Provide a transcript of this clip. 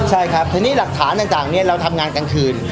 ใช่ครับทีนี้หลักฐานต่างนี้เราทำงานกลางคืน